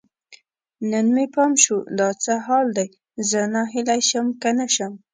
نن مې پام شو، دا څه حال دی؟ زه ناهیلی شم که نه شم